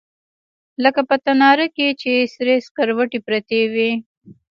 لکه په تناره کښې چې سرې سکروټې پرتې وي.